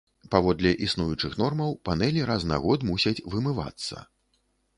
Паводле існуючых нормаў, панэлі раз на год мусяць вымывацца.